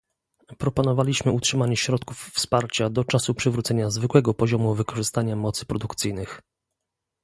Proponowaliśmy utrzymanie środków wsparcia do czasu przywrócenia zwykłego poziomu wykorzystania mocy produkcyjnych